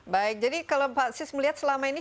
baik jadi kalau pak sis melihat selama ini